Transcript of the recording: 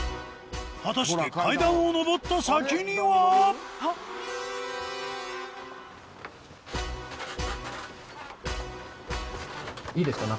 果たして階段を上った先には！？いいですか？